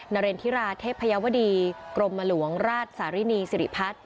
เรนธิราเทพยาวดีกรมหลวงราชสารินีสิริพัฒน์